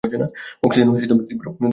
Oxygen তীব্র জারক gas.